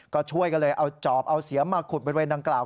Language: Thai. ก็ช่วยกันเลยเอาจอบเอาเสียมมาขุดบริเวณดังกล่าว